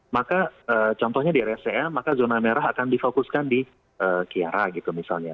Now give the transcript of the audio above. maka contohnya di rsca maka zona merah akan difokuskan di kiara gitu misalnya